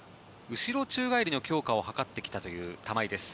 後ろ宙返りの強化を図ってきたという玉井です。